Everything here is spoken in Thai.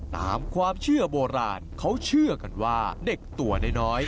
ตามความเชื่อโบราณเขาเชื่อกันว่าเด็กตัวน้อย